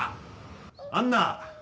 アンナ！